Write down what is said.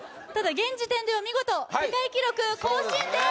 現時点では見事世界記録更新です！